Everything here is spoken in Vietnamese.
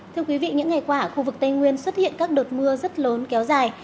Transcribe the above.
thưa quý vị những ngày qua ở khu vực tây nguyên xuất hiện các đợt mưa rất lớn kéo dài